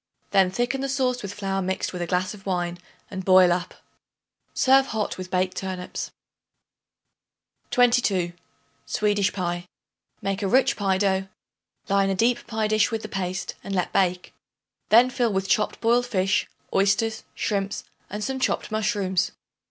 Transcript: Then thicken the sauce with flour mixed with a glass of wine and boil up. Serve hot with baked turnips. 22. Swedish Pie. Make a rich pie dough; line a deep pie dish with the paste and let bake. Then fill with chopped boiled fish, oysters, shrimps and some chopped mushrooms.